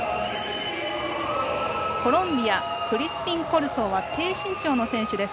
コロンビア、クリスピンコルソは低身長の選手です。